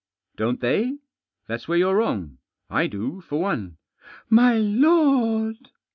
" Don't they ? That's where you're wrong. I do, for one." "My lord!"